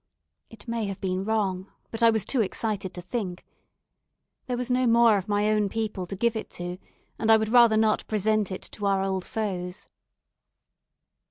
It may have been wrong, but I was too excited to think. There was no more of my own people to give it to, and I would rather not present it to our old foes.